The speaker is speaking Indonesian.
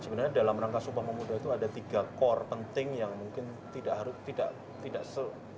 sebenarnya dalam rangka sumpah pemuda itu ada tiga core penting yang mungkin tidak